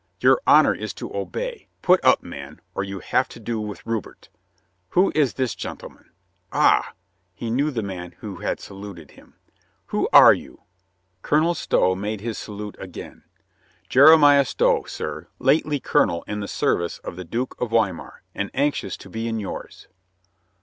"Your honor is to obey. Put up, man, or you have to do with Rupert. Who is this gentleman ? Ah !" He knew the man who had saluted him. "Who are you?" Colonel Stow made his salute again. "Jeremiah Stow, sir, lately colonel in the service of the Duke of Weimar, and anxious to be in yours."